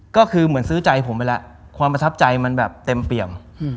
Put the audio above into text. ก็คือเหมือนซื้อใจผมไปแล้วความประทับใจมันแบบเต็มเปี่ยม